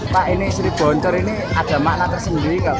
pak ini seribu oncor ini ada makna tersendiri atau apa